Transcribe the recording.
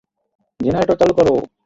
Generator চালু করো!